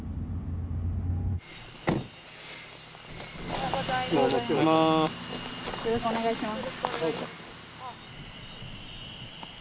おはようございます。